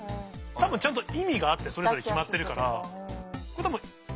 たぶんちゃんと意味があってそれぞれ決まってるから。